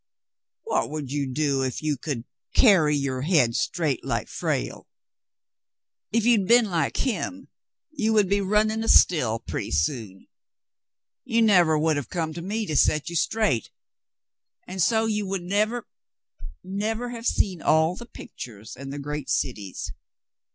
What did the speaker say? "What would you do if you could c — arry your head straight like Frale ? If you had been like him, you would be running a * still' pretty soon. You never would have come to me to set you straight, and so you would n — never have seen all the pictures and the great cities.